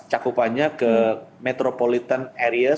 cakupannya ke metropolitan area